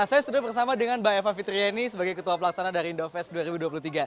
saya sudah bersama dengan mbak eva fitriani sebagai ketua pelaksana dari indofest dua ribu dua puluh tiga